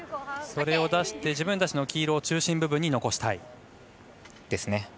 それを出して自分たちの黄色を中心部分に残したいと。